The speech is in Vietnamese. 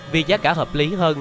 vì giá cả hợp lý hơn